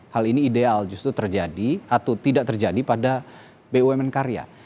hal ini ideal justru terjadi atau tidak terjadi pada bumn karya